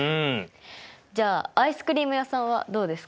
じゃあアイスクリーム屋さんはどうですか？